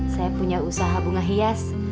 saya punya usaha bunga hias